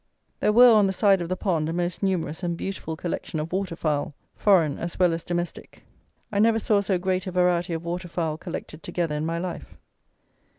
There were, on the side of the pond, a most numerous and beautiful collection of water fowl, foreign as well as domestic. I never saw so great a variety of water fowl collected together in my life.